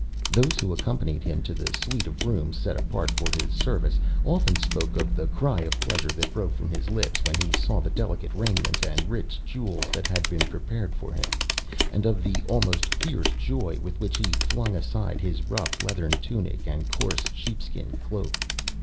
Those who accompanied him to the suite of rooms set apart for his service, often spoke of the cry of pleasure that broke from his lips when he saw the delicate raiment and rich jewels that had been prepared for him, and of the almost fierce joy with which he flung aside his rough leathern tunic and coarse sheepskin cloak.